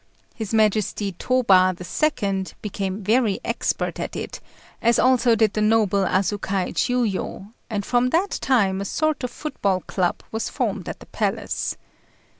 His Majesty Toba the Second became very expert at it, as also did the noble Asukai Chiujo, and from that time a sort of football club was formed at the palace.